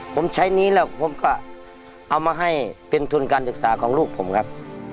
ผมใช้หนี้แล้วผมก็เอามาให้เป็นทุนการศึกษาของลูกผมครับ